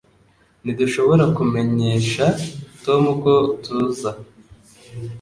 Ntidushobora kumenyesha Tom ko tuza